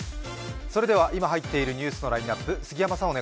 それでは今入っているニュースのラインナップ